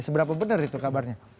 sebenarnya benar itu kabarnya